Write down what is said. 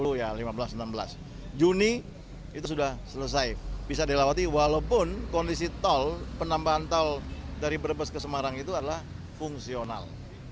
sepuluh ya lima belas enam belas juni itu sudah selesai bisa dilewati walaupun kondisi tol penambahan tol dari brebes ke semarang itu adalah fungsional